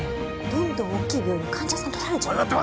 どんどん大きい病院に患者さん取られちゃうんだって。